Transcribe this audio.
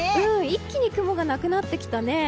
一気に雲がなくなってきたね。